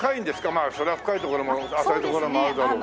まあそりゃ深い所も浅い所もあるだろうけど。